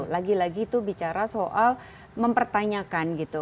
lagi lagi itu bicara soal mempertanyakan gitu